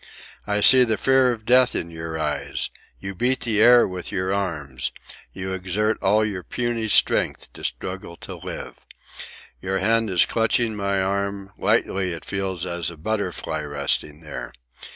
I see the fear of death in your eyes. You beat the air with your arms. You exert all your puny strength to struggle to live. Your hand is clutching my arm, lightly it feels as a butterfly resting there.